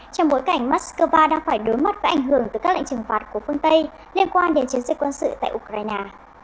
trong bối cảnh moscow đang phải đối mặt với ảnh hưởng từ các lệnh trừng phạt của phương tây liên quan đến chiến dịch quân sự tại ukraine